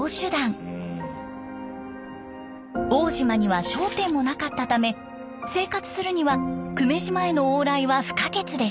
奥武島には商店もなかったため生活するには久米島への往来は不可欠でした。